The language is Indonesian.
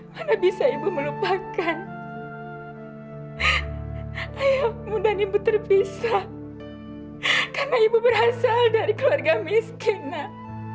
mana bisa ibu melupakan ayah muda ibu terpisah karena ibu berasal dari keluarga miskin nak